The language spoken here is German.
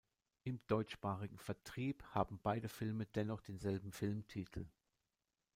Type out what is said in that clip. Im deutschsprachigen Vertrieb haben beide Filme dennoch denselben Filmtitel.